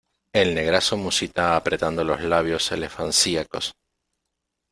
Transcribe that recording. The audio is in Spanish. el negrazo musita apretando los labios elefancíacos: